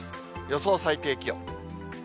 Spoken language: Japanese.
予想最低気温。